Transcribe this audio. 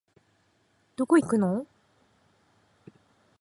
どこ行くのお